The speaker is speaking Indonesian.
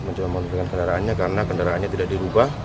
mencoba menghentikan kendaraannya karena kendaraannya tidak dirubah